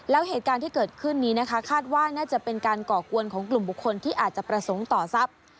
แล้วเหตุการณ์ที่เกิดขึ้นนี้นะคะคาดว่าน่าจะเป็นการก่อกวนของกลุ่มบุคคลที่อาจจะประสงค์ต่อทรัพย์